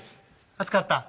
熱かった？